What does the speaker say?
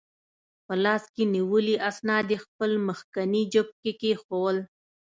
په لاس کې نیولي اسناد یې خپل مخکني جیب کې کېښوول.